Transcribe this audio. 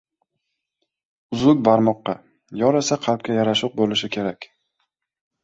• Uzuk barmoqka, yor esa qalbga yarashuq bo‘lishi kerak.